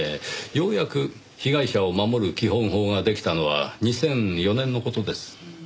ようやく被害者を守る基本法ができたのは２００４年の事です。